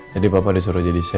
jadi papa disuruh jadi chef